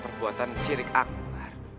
kekuatan ciri akbar